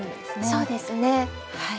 そうですねはい。